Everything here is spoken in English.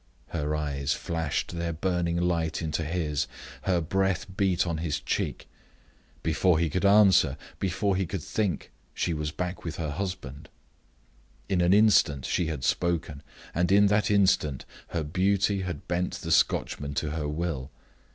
Her eyes flashed their burning light into his; her breath beat on his cheek. Before he could answer, before he could think, she was back with her husband. In an instant she had spoken, and in that instant her beauty had bent the Scotchman to her will.